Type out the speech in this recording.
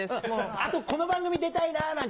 あとこの番組出たいななんて